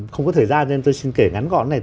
không có thời gian nên tôi xin kể ngắn gọn